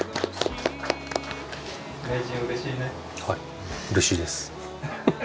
はい。